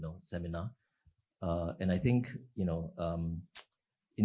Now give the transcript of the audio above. di seminar yang tinggi ini